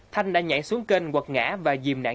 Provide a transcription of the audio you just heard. thanh đã nhảy xuống kênh quật ngã và dìm nạn